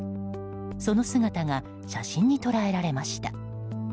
その姿が写真に捉えられました。